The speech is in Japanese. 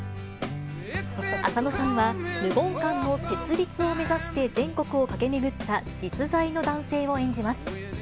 浅野さんは、無言館の設立を目指して全国を駆け巡った、実在の男性を演じます。